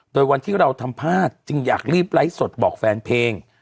โดยวันที่เราทำพลาดจึงอยากรีบไลฟ์สดบอกแฟนเพลง